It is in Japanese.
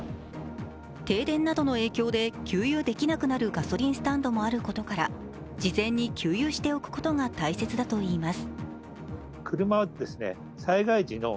停電などの影響で給油できなくなるガソリンスタンドもあることから、事前に給油しておくことが大切だといいます。